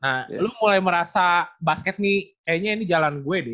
nah lo mulai merasa basket nih kayaknya ini jalan gue nih